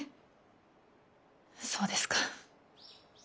そうですか。